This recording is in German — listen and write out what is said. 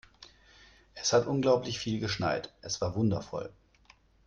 Es hat unglaublich viel geschneit. Es war wundervoll.